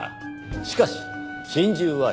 しかし心中は失敗。